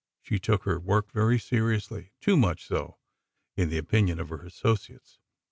She took her work very seriously—too much so, in the opinion of her associates.